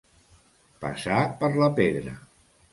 Passar per la pedra.